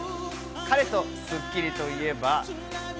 彼と『スッキリ』といえば。